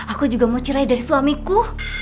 aku juga mau cerai dari suamiku